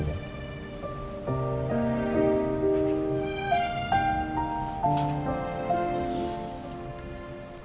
saya udah tugas buat kamu